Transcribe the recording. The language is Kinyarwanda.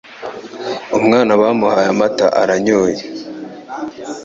Umwana bamuhaye amata aranyoye